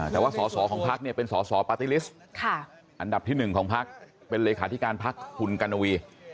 แต่ว่าสอสอของพักเนี่ยเป็นสสปาร์ตี้ลิสต์อันดับที่๑ของพักเป็นเลขาธิการพักคุณกัณวี